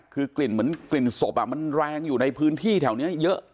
คือกลิ่นเหมือนกลิ่นศพมันแรงอยู่ในพื้นที่แถวนี้เยอะ